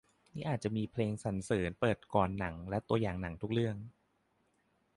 นี่อาจจะมีเพลงสรรเสริญเปิดก่อนหนังและตัวอย่างหนังทุกเรื่อง